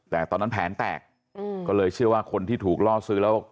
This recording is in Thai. แต่ตอนนั้นแผนแตกก็เลยเชื่อว่าคนที่ถูกล่อซื้อแล้ว